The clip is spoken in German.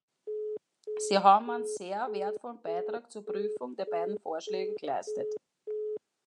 Sie haben einen sehr wertvollen Beitrag zur Prüfung der beiden Vorschläge geleistet.